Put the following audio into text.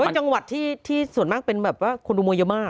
จังหวัดที่ส่วนมากเป็นแบบว่าคนดูมวยเยอะมาก